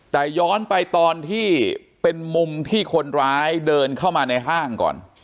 แต่ย้อนไปตอนที่เป็นมุมที่คนร้ายเดินเข้ามาในห้างก่อน